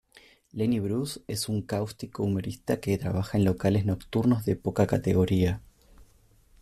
Lenny Bruce es un cáustico humorista que trabaja en locales nocturnos de poca categoría.